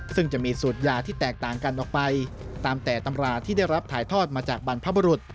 ซึ่งจะมีสูตรยาที่แตกต่างกันออกไปตามแต่ตำราที่ได้รับถ่ายทอดมาจากบรรพบรุษ